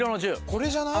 これじゃない？